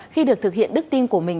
khi được thực hiện đức tin của mình